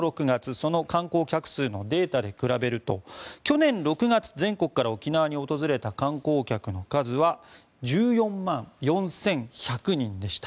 その観光客数のデータで比べると去年６月、全国から沖縄に訪れた観光客の数は１４万４１００人でした。